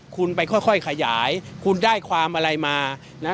คุณไปค่อยขยายคุณได้ความอะไรมานะ